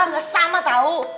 gak sama tahu